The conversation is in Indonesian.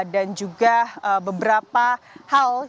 dan juga beberapa hal